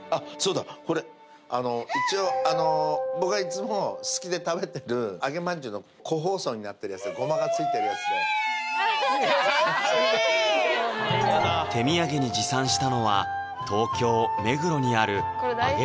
一応僕がいつも好きで食べてる揚まんじゅうの個包装になってるやつで胡麻がついてるやつで手土産に持参したのは東京・目黒にある揚げ